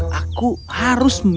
arang maka aku harus mencoba